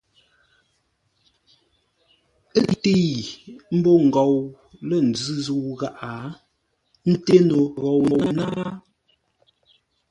Ə́ təi ḿbó ngou lə̂ nzʉ́ zə̂u gháʼa, ńté no ghou náa.